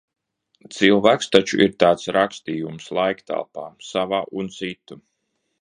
Cilvēks taču ir tāds rakstījums laiktelpā – savā un citu.